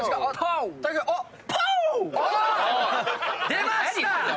出ました！